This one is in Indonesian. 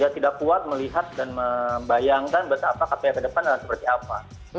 jadi kita harus berkuat melihat dan membayangkan betapa kpk kedepannya seperti apa